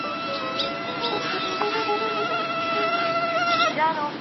Blaze regresa al Cuidador y obtiene el contrato.